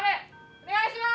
お願いします！